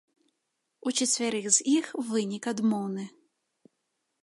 У чацвярых з іх вынік адмоўны.